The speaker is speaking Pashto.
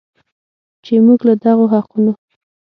چې موږ له دغو حقونو